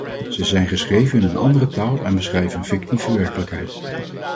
Ze zijn geschreven in een andere taal en beschrijven een fictieve werkelijkheid.